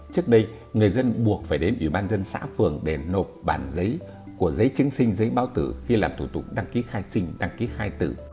trước đây người dân buộc phải đến ủy ban dân xã phường để nộp bản giấy của giấy chứng sinh giấy báo tử khi làm thủ tục đăng ký khai sinh đăng ký khai tử